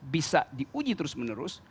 bisa diuji terus menerus